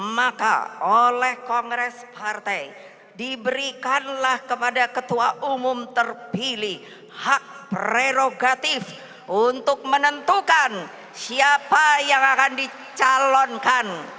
maka oleh kongres partai diberikanlah kepada ketua umum terpilih hak prerogatif untuk menentukan siapa yang akan dicalonkan